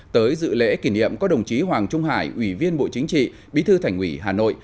tới dự lễ kỷ niệm có đồng chí hoàng trung hải ủy viên bộ chính trị bí thư thành ủy hà nội